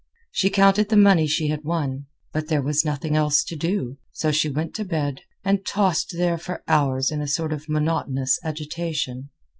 She counted the money she had won. But there was nothing else to do, so she went to bed, and tossed there for hours in a sort of monotonous agitation.